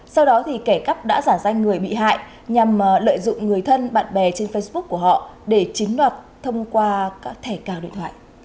sau đó thì kẻ cắp đã giả danh người bị hại nhằm lợi dụng người thân bạn bè trên facebook của họ để chiếm đoạt thông qua các thẻ cào điện thoại